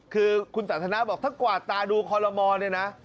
คือคุณสันทนาบอกถ้ากวาดตาดูคอลโลมอลเนี่ยนะ